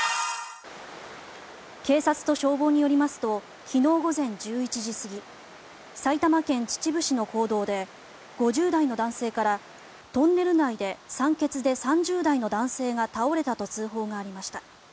警察と消防によりますと昨日午前１１時過ぎ埼玉県秩父市の坑道で５０代の男性からトンネル内で、酸欠で３０代の男性が倒れたと通報がありました。